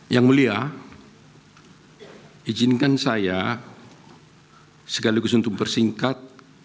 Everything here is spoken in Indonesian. yang mulia izinkan saya sekaligus untuk bersingkat